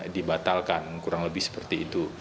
dibatalkan kurang lebih seperti itu